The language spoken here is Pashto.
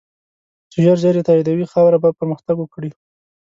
چی ژر ژر یی تایدوی ، خاوری به پرمختګ وکړو